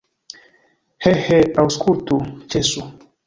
He, he, aŭskultu, ĉesu!